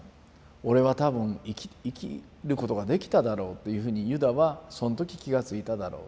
俺は多分生きることができただろうっていうふうにユダはその時気がついただろうと。